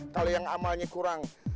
kalau yang amalnya kurang